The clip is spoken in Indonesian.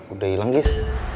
udah ilang guys